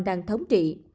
càng thống trị